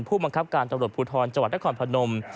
ผู้มังคับการตำรวจภูทรต่างจังหวัดเฮฯรภรรณพนม